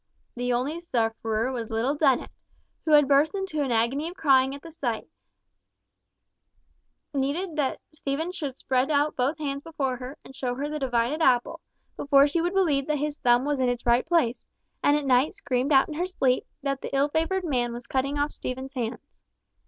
The only sufferer was little Dennet, who had burst into an agony of crying at the sight, needed that Stephen should spread out both hands before her, and show her the divided apple, before she would believe that his thumb was in its right place, and at night screamed out in her sleep that the ill favoured man was cutting off Stephen's hands.